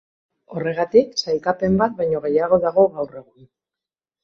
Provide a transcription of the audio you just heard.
Horregatik, sailkapen bat baino gehiago dago gaur egun.